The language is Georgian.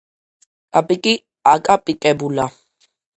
კაპიკი აკაპიკებულა